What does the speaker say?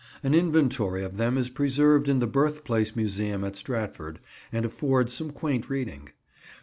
An inventory of them is preserved in the Birthplace Museum at Stratford, and affords some quaint reading.